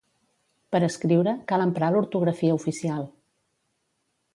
Per escriure, cal emprar l'ortografia oficial.